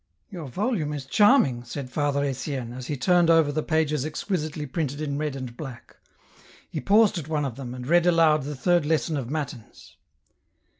" Your volume is charming," said Father Etienne, as he turned over the pages exquisitely printed in red and black. He paused at one of them, and read aloud the third lesson of Matins.